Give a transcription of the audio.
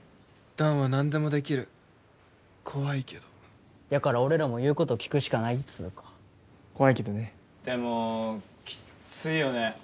弾は何でもできる怖いけどやから俺らも言うこと聞くしかないっつうか怖いけどねでもきっついよね